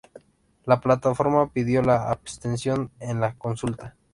La Plataforma pidió la abstención en la consulta.